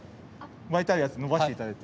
巻いてあるやつ伸ばして頂いて。